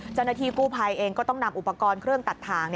เจ้าหน้าที่กู้ภัยเองก็ต้องนำอุปกรณ์เครื่องตัดถ่าง